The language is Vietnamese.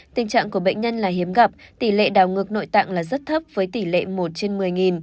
tình trạng của bệnh nhân là hiếm gặp tỷ lệ đào ngược nội tạng là rất thấp với tỷ lệ một trên một mươi